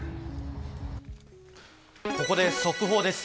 ここで速報です。